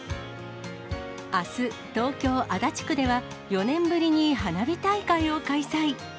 あす、東京・足立区では、４年ぶりに花火大会を開催。